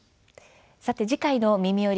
次回の「みみより！